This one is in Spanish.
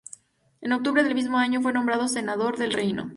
En octubre del mismo año fue nombrado senador del reino.